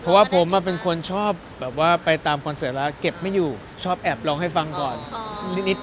เพราะว่าผมเป็นคนชอบแบบว่าไปตามคอนเสิร์ตแล้วเก็บไม่อยู่ชอบแอบลองให้ฟังก่อนนิด